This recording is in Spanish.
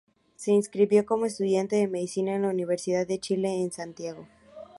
Se inscribió como estudiante de medicina en la Universidad de Chile, en Santiago.